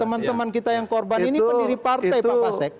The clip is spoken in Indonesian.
teman teman kita yang korban ini pendiri partai pak pasek